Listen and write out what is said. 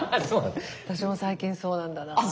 私も最近そうなんだなあ。